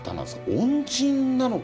恩人なのか。